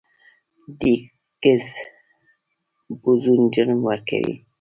د هیګز بوزون جرم ورکوي.